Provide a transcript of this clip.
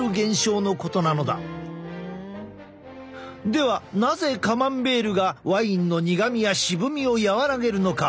ではなぜカマンベールがワインの苦みや渋みを和らげるのか？